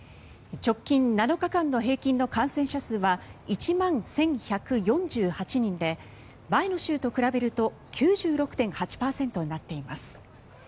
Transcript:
直近７日間の平均の感染者数は１万１１４８人で前の週と比べると９６．８％になっています。